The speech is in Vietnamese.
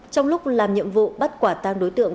trong lúc làm nhiệm vụ bắt quả tang đối tượng